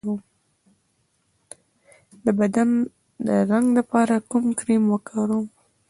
د بدن د رنګ لپاره کوم کریم وکاروم؟